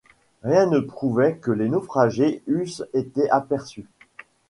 Rien ne prouvait que les naufragés eussent été aperçus.